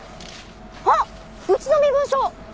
あっうちの身分証！